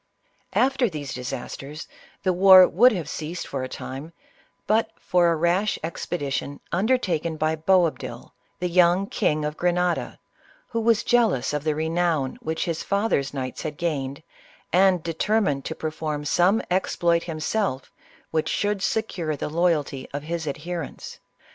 After these disasters, the war would have ceased for a time, but for a rash expedition undertaken by Boab dil, the young King of Grenada, who was jealous of the renown which his fathers knights had gained, and de termined to perform some exploit himself which should secure the loyalty of his adherents.